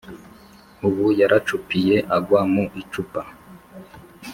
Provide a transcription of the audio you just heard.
ubu yaracupiye agwa mu icupa